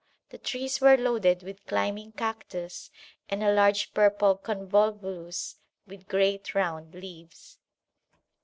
The trees were loaded with climbing cactus and a large purple convolvulus with great round leaves.